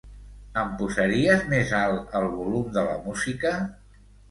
Em posaries més alt el volum de la música?